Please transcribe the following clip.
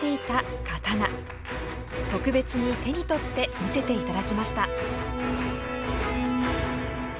特別に手に取って見せていただきました。